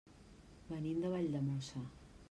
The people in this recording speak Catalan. Venim de Valldemossa.